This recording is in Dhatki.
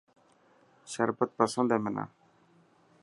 شربت پسند هي منان.